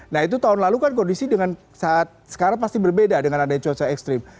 nah itu tahun lalu kan kondisi dengan saat sekarang pasti berbeda dengan adanya cuaca ekstrim